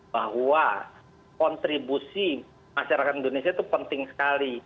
bahwa kontribusi masyarakat indonesia itu penting sekali